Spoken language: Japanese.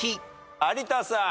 有田さん。